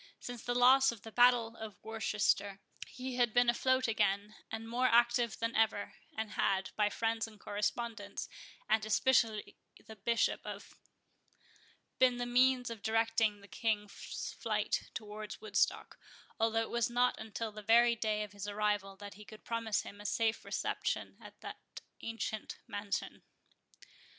Since the loss of the battle of Worcester, he had been afloat again, and more active than ever; and had, by friends and correspondents, and especially the Bishop of ——, been the means of directing the King's flight towards Woodstock, although it was not until the very day of his arrival that he could promise him a safe reception at that ancient mansion.